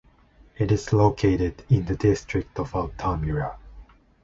It is located in the district of Altamira.